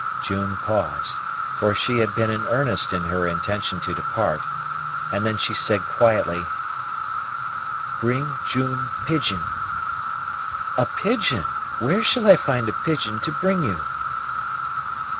June paused, for she had been in earnest in her intention to depart; and then she said quietly, "Bring June pigeon." "A pigeon! Where shall I find a pigeon to bring you?"